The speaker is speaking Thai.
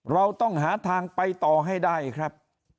เราต้องหาทางไปต่อให้ได้ครับ